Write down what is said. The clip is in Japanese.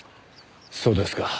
そうですか。